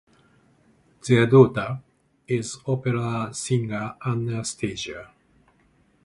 Their daughter is opera singer Anna Steiger.